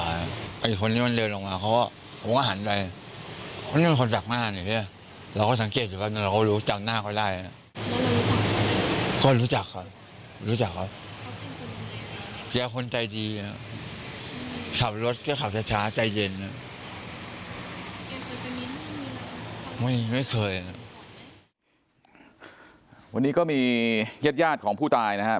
วันนี้ก็มีญาติของผู้ตายนะครับ